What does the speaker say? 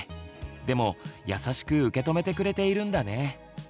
でも優しく受け止めてくれているんだね。